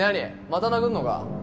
また殴るのか？